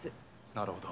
なるほど。